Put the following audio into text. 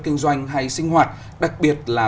kinh doanh hay sinh hoạt đặc biệt là